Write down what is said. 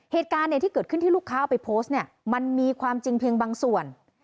เหตุการณ์ที่เกิดขึ้นที่ลูกค้าเอาไปโพสต์เนี่ยมันมีความจริงเพียงบางส่วน